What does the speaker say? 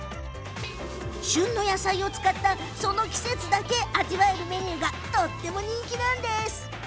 旬の野菜を使ったその季節だけ味わえるメニューが人気なんです。